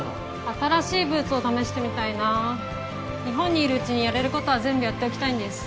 新しいブーツを試してみたいな日本にいるうちにやれることは全部やっておきたいんです